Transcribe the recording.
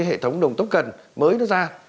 những hệ thống đồng token mới nó ra